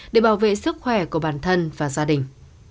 để bảo vệ sức khỏe của bản thân và gia đình